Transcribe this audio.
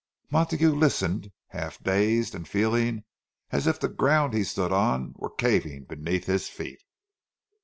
Montague listened, half dazed, and feeling as if the ground he stood on were caving beneath his feet.